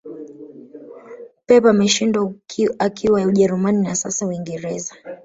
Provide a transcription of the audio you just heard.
pep ameshindwa akiwa ujerumani na sasa uingereza